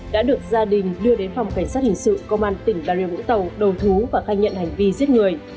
đã được gia đình đưa đến phòng cảnh sát hình sự công an tỉnh bà rịa vũng tàu đầu thú và khai nhận hành vi giết người